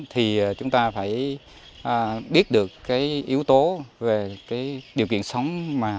thì chúng ta phải biết được yếu tố về điều kiện sống